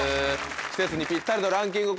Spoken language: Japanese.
季節にぴったりのランキング